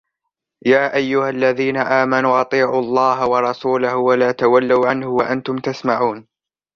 يا أيها الذين آمنوا أطيعوا الله ورسوله ولا تولوا عنه وأنتم تسمعون